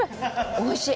おいしい。